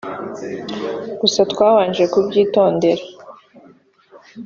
gusa twabanje kubyitondera